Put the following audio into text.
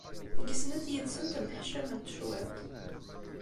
Deg snat yid-sent nneḥcament cwiṭ.